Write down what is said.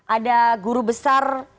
ada guru besar